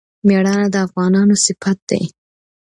میړانه د افغانانو صفت دی.